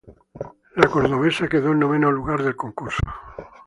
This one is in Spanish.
La cordobesa quedó en noveno lugar del concurso.